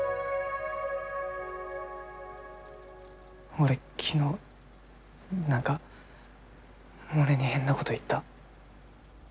俺昨日何かモネに変なごど言った。